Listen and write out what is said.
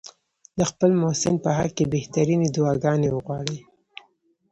د خپل محسن په حق کې بهترینې دعاګانې وغواړي.